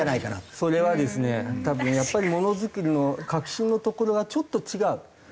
それはですね多分やっぱりものづくりの核心のところがちょっと違う。